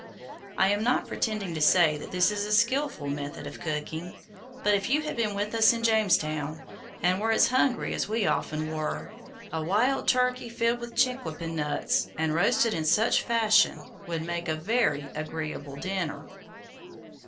I am not pretending to say that this is a skillful method of cooking; but if you had been with us in Jamestown, and were as hungry as we often were, a wild turkey filled with chinquapin nuts, and roasted in such fashion, would make a very agreeable dinner.